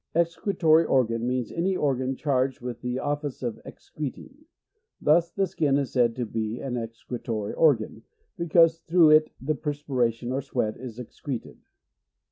Ex cretory organ means any organ charged with the office of excre ting : thus, the skin is said to be an excretory organ, because through it the perspiration or sweat is ex creted.